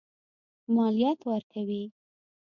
مالیات ورکوي.